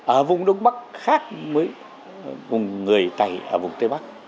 ở vùng đông bắc khác với vùng người tày ở vùng tây bắc